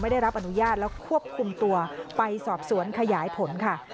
ได้รับอนุญาตแล้วควบคุมตัวไปสอบสวนขยายผลค่ะ